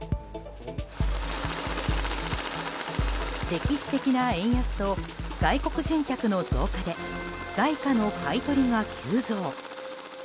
歴史的な円安と外国人客の増加で外貨の買い取りが急増。